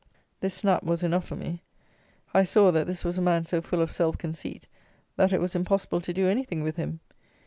This snap was enough for me. I saw, that this was a man so full of self conceit, that it was impossible to do anything with him.